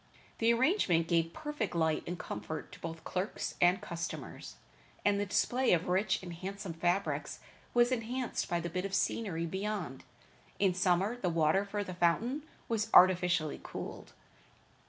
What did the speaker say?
The arrangement gave perfect light and comfort to both clerks and customers, and the display of rich and handsome fabrics was enhanced by the bit of scenery beyond. In summer the water for the fountain was artificially cooled.